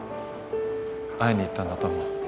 会いに行ったんだと思う。